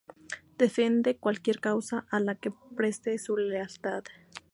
Defiende cualquier causa a la que preste su lealtad.